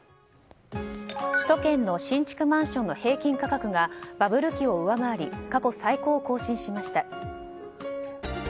首都圏の新築マンションの平均価格がバブル期を上回り過去最高を更新しました。